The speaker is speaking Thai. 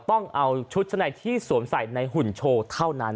ต้องเอาชุดชั้นในที่สวมใส่ในหุ่นโชว์เท่านั้น